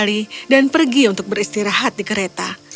pelancong menunjukkan tempat bagi james untuk beristirahat